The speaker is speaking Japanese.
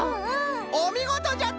おみごとじゃった！